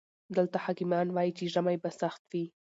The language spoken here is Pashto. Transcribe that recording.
دلته حکيمان وايي چې ژمی به سخت وي.